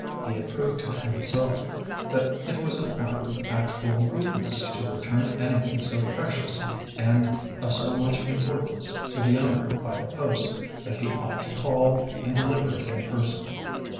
He had proved to himself that it was an act of actual rudeness to return anything so precious and of so much importance to the owner by the post, that he ought to call and deliver it in person.